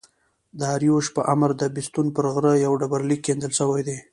داریوش په امر د بستون پر غره یو ډبر لیک کیندل سوی دﺉ.